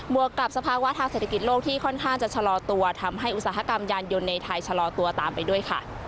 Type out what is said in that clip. วกกับสภาวะทางเศรษฐกิจโลกที่ค่อนข้างจะชะลอตัวทำให้อุตสาหกรรมยานยนต์ในไทยชะลอตัวตามไปด้วยค่ะ